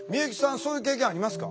そういう経験ありますか？